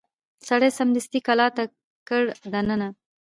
سړي سمدستي کلا ته کړ دننه